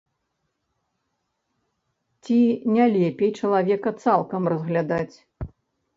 Ці не лепей чалавека цалкам разглядаць?